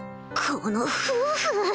この夫婦！